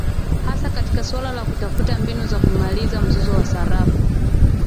hasa katika suala la kutafuta mbinu za kumaliza mzozo wa sarafu